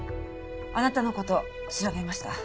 あなたの事調べました。